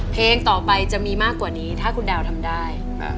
เพลงต่อไปจะมีมากกว่านี้ถ้าคุณดาวทำได้